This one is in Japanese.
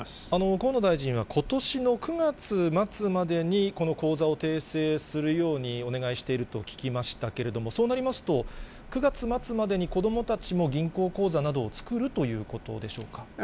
河野大臣はことしの９月末までに、この口座を訂正するようにお願いしていると聞きましたけれども、そうなりますと、９月末までに子どもたちも銀行口座などを作るということでしょうか。